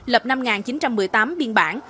lập năm chín trăm một mươi tám biên bản